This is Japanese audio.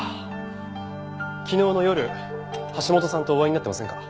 昨日の夜橋本さんとお会いになってませんか？